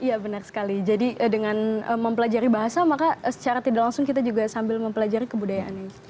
iya benar sekali jadi dengan mempelajari bahasa maka secara tidak langsung kita juga sambil mempelajari kebudayaannya